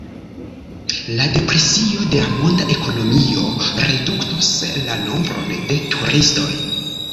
La depresio de la monda ekonomio reduktos la nombron de turistoj.